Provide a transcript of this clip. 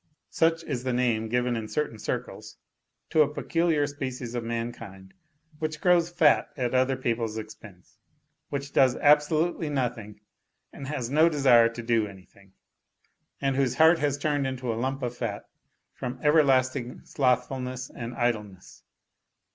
Such is the name given in certain circles to a peculiar species of mankind which grows fat at other people's expense, which does absolutely nothing and has no desire to do anything, and whose heart has turned into a lump of fat from everlasting slothfulness and idleness.